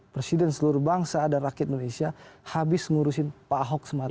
presiden seluruh bangsa dan rakyat indonesia habis ngurusin pak ahok semata